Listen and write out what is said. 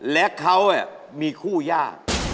และเขามีคู่ยาก